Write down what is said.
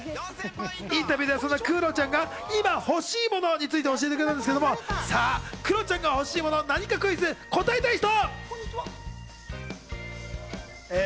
インタビューではそんなクロちゃんが今、欲しい物について教えてくれたんですけど、さぁ、クロちゃんが欲しいもの何かクイズ、答えたい人。